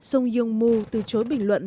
sung yong mu từ chối bình luận